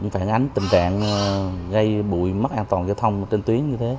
phản ánh tình trạng gây bụi mất an toàn giao thông trên tuyến như thế